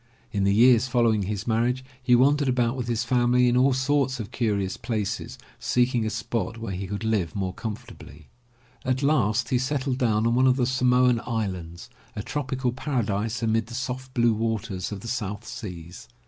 In the years following his marriage he wandered about with his family into all sorts of curious places, seeking a spot where he could live more comfortably. At last he 163 MY BOOK HOUSE settled down on one of the Samoan Islands, a tropical paradise amid the soft blue waters of the South Seas.